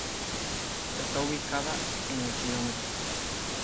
Está ubicada en el km.